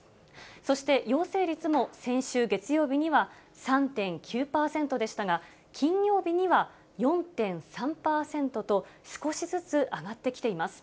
そして陽性率も先週月曜日には３．９％でしたが、金曜日には４．３％と、少しずつ上がってきています。